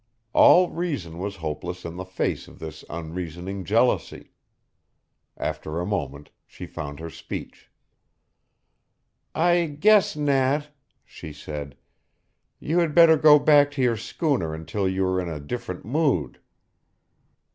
All reason was hopeless in the face of this unreasoning jealousy. After a moment she found her speech. "I guess, Nat," she said, "you had better go back to your schooner until you are in a different mood."